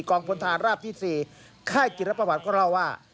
กองพลทหารราบที่สี่ค่ายกิจรประหวัดก็เล่าว่า